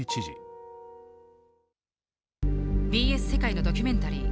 「ＢＳ世界のドキュメンタリー」。